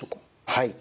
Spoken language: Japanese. はい。